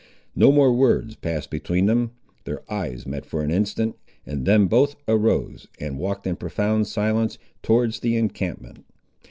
No more words passed between them. Their eyes met for an instant, and then both arose and walked in profound silence towards the encampment.